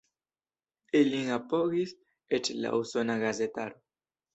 Ilin apogis eĉ la usona gazetaro.